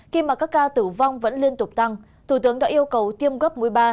khi mà các ca tử vong vẫn liên tục tăng thủ tướng đã yêu cầu tiêm gấp mũi ba